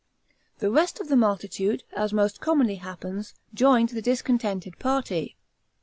The rest of the multitude, as most commonly happens, joined the discontented party.